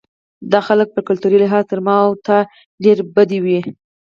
دا خلک په کلتوري لحاظ تر ما او تا ډېر بدوي وو.